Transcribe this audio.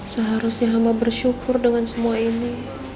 seharusnya hama bersyukur dengan semua ini